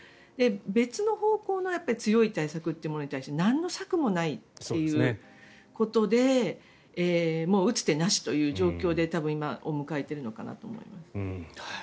別の方法の強い対策に対してなんの策もないということでもう打つ手なしという状況で多分、今を迎えているのかなと思います。